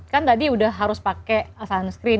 kan tadi udah harus pakai sunscreen